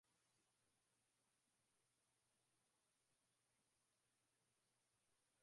ikiwa wanatoa kama mchango wao kwenye hifadhi ya jamii